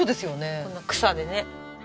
こんな草でね。